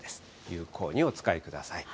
有効にお使いください。